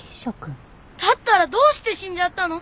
だったらどうして死んじゃったの？